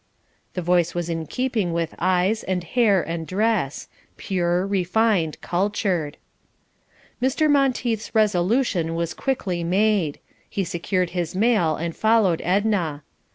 The voice was in keeping with eyes, and hair, and dress pure, refined, cultured. Mr. Monteith's resolution was quickly made; he secured his mail and followed Edna.